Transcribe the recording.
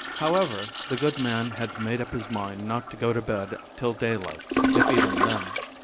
However, the good man had made up his mind not to go to bed till daylight, if even then.